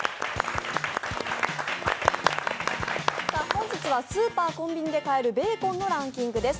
本日はスーパー、コンビニで買えるベーコンのランキングです。